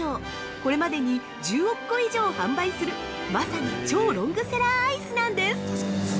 これまでに１０億個以上を販売するまさに超ロングセラーアイスなんです！